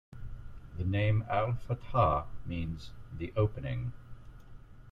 The name "Al-Fatiha" means "the Opening.